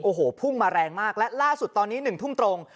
โอ้โหพุ่งมาแรงมากและล่าสุดตอนนี้๑ทุ่มตรง